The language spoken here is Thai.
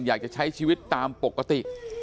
อยากจะใช้ชีวิตตามปกติ